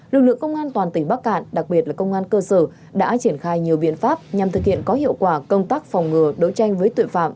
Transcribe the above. lực lượng công an toàn tỉnh bắc cạn đặc biệt là công an cơ sở đã triển khai nhiều biện pháp nhằm thực hiện có hiệu quả công tác phòng ngừa đấu tranh với tội phạm